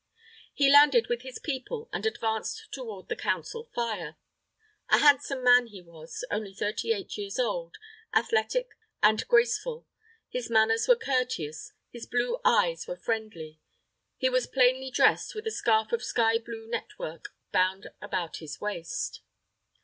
He landed with his people, and advanced toward the Council fire. A handsome man he was, only thirty eight years old, athletic, and graceful. His manners were courteous, his blue eyes were friendly. He was plainly dressed, with a scarf of sky blue network bound about his waist.